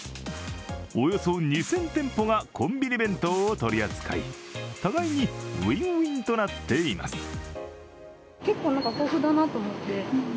およそ２０００店舗がコンビニ弁当を取り扱い、互いにＷｉｎ−Ｗｉｎとなっています。